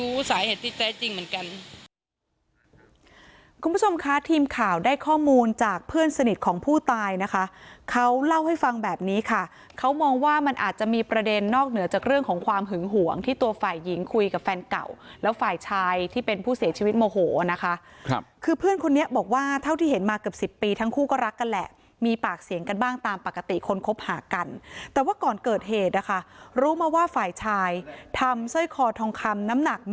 คุณผู้ชมคะทีมข่าวได้ข้อมูลจากเพื่อนสนิทของผู้ตายนะคะเขาเล่าให้ฟังแบบนี้ค่ะเขามองว่ามันอาจจะมีประเด็นนอกเหนือจากเรื่องของความหึงหวงที่ตัวฝ่ายหญิงคุยกับแฟนเก่าแล้วฝ่ายชายที่เป็นผู้เสียชีวิตโมโหนะคะคือเพื่อนคนนี้บอกว่าเท่าที่เห็นมาเกือบสิบปีทั้งคู่ก็รักกันแหละมีปากเสียงกันบ้างตาม